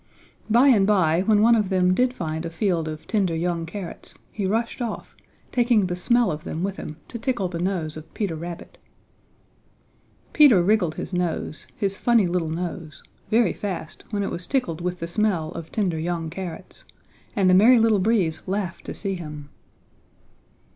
By and by when one of them did find a field of tender young carrots he rushed off, taking the smell of them with him to tickle the nose of Peter Rabbit. Peter wriggled his nose, his funny little nose, very fast when it was tickled with the smell of tender young carrots, and the Merry Little Breeze laughed to see him.